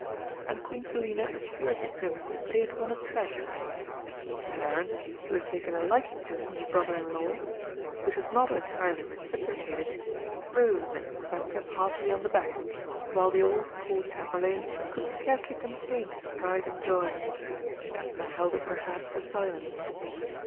and Queen Selina assured the Prince that he had won a treasure. Clarence, who had taken a liking to his new brother in law, which was not entirely reciprocated, rose and clapped him heartily on the back, while the old Court Chamberlain could scarcely contain his pride and joy. Edna held up her hand for silence.